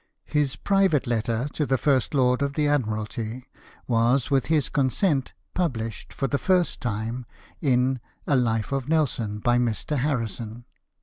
His private letter to the First Lord of the Admir alty was, with his consent, published, for the first time, in a " Life of Nelson " by Mr. Harrison.